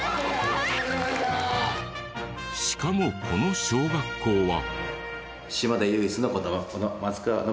しかもこの小学校は。